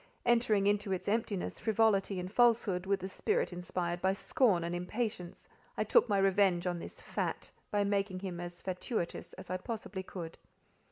Entering into its emptiness, frivolity, and falsehood, with a spirit inspired by scorn and impatience, I took my revenge on this "fat," by making him as fatuitous as I possibly could.